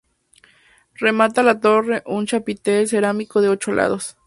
Remata la torre un chapitel cerámico de ocho lados.